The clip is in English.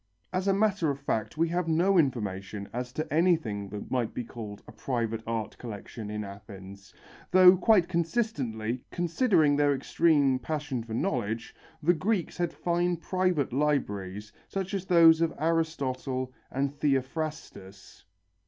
As a matter of fact, we have no information as to anything that might be called a private art collection in Athens, though quite consistently, considering their extreme passion for knowledge, the Greeks had fine private libraries, such as those of Aristotle and Theophrastus.